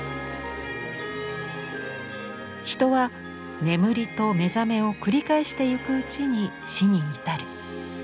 人は眠りと目覚めを繰り返してゆくうちに死に至る。